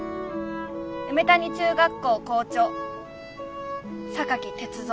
梅谷中学校校長榊徹三」。